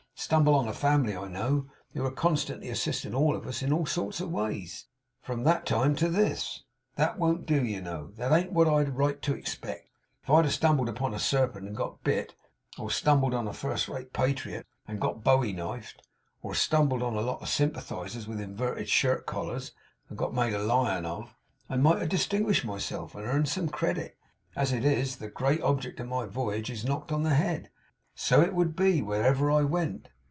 Stumble on a family I know, who are constantly assisting of us in all sorts of ways, from that time to this! That won't do, you know; that ain't what I'd a right to expect. If I had stumbled on a serpent and got bit; or stumbled on a first rate patriot, and got bowie knifed, or stumbled on a lot of Sympathisers with inverted shirt collars, and got made a lion of; I might have distinguished myself, and earned some credit. As it is, the great object of my voyage is knocked on the head. So it would be, wherever I went.